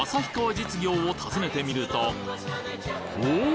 実業を訪ねてみるとおお！